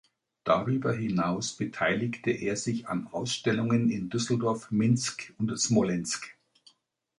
Darüber hinaus beteiligte er sich an Ausstellungen in Düsseldorf, Minsk und Smolensk.